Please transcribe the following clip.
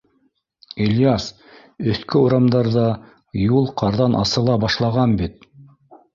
— Ильяс, өҫкө урамдарҙа юл ҡарҙан асыла башлаған бит.